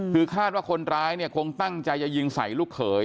คือคาดว่าคนร้ายเนี่ยคงตั้งใจจะยิงใส่ลูกเขย